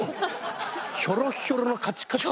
ヒョロッヒョロのカチカチの。